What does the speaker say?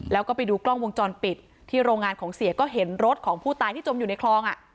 แล้วก็ไปดูกล้องวงจรปิดที่โรงงานของเสียก็เห็นรถของผู้ตายที่จมอยู่ในคลอง